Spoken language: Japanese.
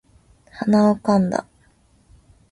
鼻をかんだ